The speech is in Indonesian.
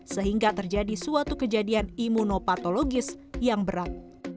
sehingga terjadi suatu kejadian imunopatologis yang berat